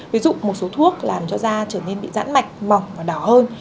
ví dụ một số thuốc làm cho da trở nên bị giãn mạch mỏng và đỏ hơn